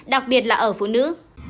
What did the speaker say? đặc biệt là ở phụ nữ